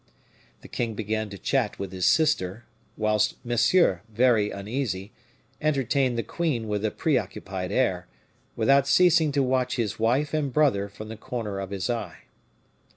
The king began to chat with his sister, whilst Monsieur, very uneasy, entertained the queen with a preoccupied air, without ceasing to watch his wife and brother from the corner of his eye.